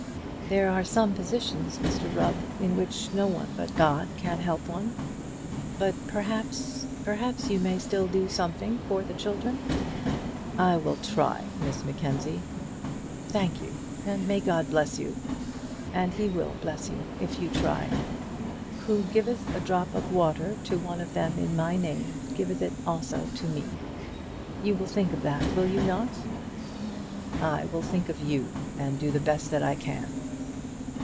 "There are some positions, Mr Rubb, in which no one but God can help one. But, perhaps perhaps you may still do something for the children." "I will try, Miss Mackenzie." "Thank you, and may God bless you; and He will bless you if you try. 'Who giveth a drop of water to one of them in my name, giveth it also to me.' You will think of that, will you not?" "I will think of you, and do the best that I can."